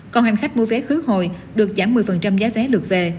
còn hành khách mua vé khứ hồi được giảm một mươi giá vé lượt về